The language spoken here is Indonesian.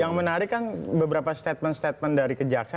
yang menarik kan beberapa statement statement dari kejaksaan